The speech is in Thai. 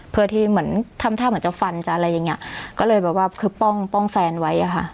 เพื่อที่เหมือนทำท่าเหมือนจะฟันจะอะไรอย่างเงี้ยก็เลยแบบว่าคือป้องป้องแฟนไว้อะค่ะ